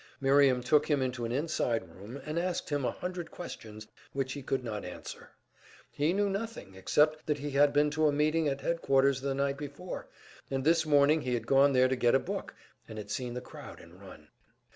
Miriam took him into an inside room and asked him a hundred questions which he could not answer. He knew nothing, except that he had been to a meeting at headquarters the night before, and this morning he had gone there to get a book, and had seen the crowd and run.